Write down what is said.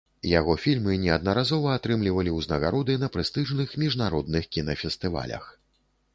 Яго фільмы неаднаразова атрымлівалі ўзнагароды на прэстыжных міжнародных кінафестывалях.